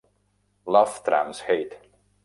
"Love trumps hate".